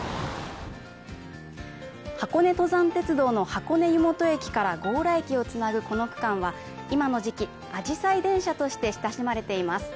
箱根登山鉄道の箱根湯本駅から強羅駅をつなぐこの区間は、今の時期、あじさい電車として親しまれています。